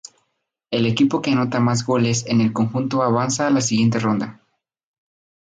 El equipo que anota más goles en el conjunto avanza a la siguiente ronda.